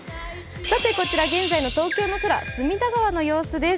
現在の東京の空、隅田川の様子です。